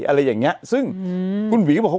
อะไรอย่างเงี้ยซึ่งคุณหวีก็บอกเขา